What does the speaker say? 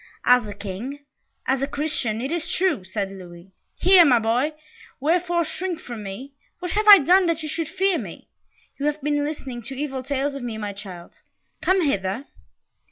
"As a King as a Christian, it is true!" said Louis. "Here, my boy! Wherefore shrink from me? What have I done, that you should fear me? You have been listening to evil tales of me, my child. Come hither."